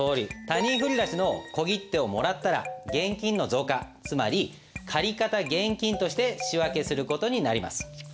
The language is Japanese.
他人振り出しの小切手をもらったら現金の増加つまり借方現金として仕訳する事になります。